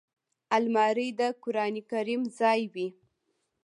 الماري د قران کریم ځای وي